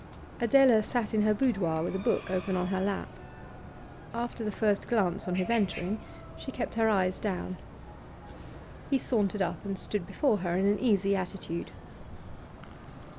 Adela sat in her boudoir, with a book open on her lap. After the first glance on his entering she kept her eyes down. He sauntered up and stood before her in an easy attitude.